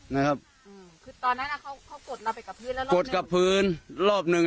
นะครับคือตอนนั้นเขากดเราไปกับพื้นแล้วรอบหนึ่ง